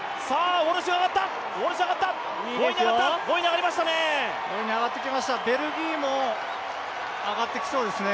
５位にあがってきました、ベルギーも上がってきそうですね。